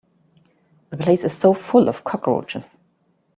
The place is so full of cockroaches.